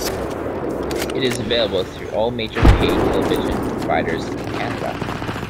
It is available through all major pay television providers in Canada.